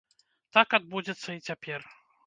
Так адбудзецца і цяпер.